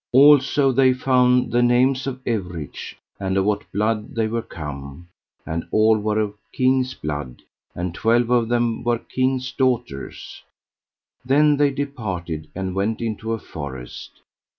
Also they found the names of everych, and of what blood they were come, and all were of kings' blood, and twelve of them were kings' daughters. Then they departed and went into a forest.